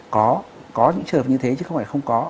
có có những trường hợp như thế chứ không phải không có